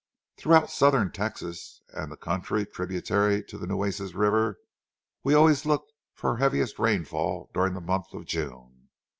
Throughout southern Texas and the country tributary to the Nueces River, we always looked for our heaviest rainfall during the month of June.